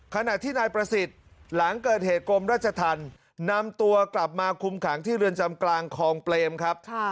ขณะที่นายประสิทธิ์หลังเกิดเหตุกรมราชธรรมนำตัวกลับมาคุมขังที่เรือนจำกลางคลองเปรมครับ